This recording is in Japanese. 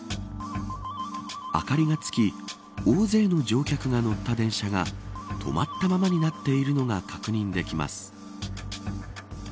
明かりがつき大勢の乗客が乗った電車が止まったままになっているのが確認できます。